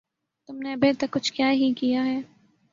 تم نے ابھے تک کچھ کیا ہی کیا ہے